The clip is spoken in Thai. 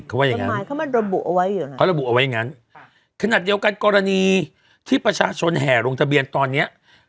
เขาว่าอย่างนั้นขนาดเดียวกันกรณีที่ประชาชนแห่ลงทะเบียนตอนนี้